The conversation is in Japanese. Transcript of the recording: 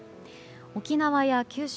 沖縄や九州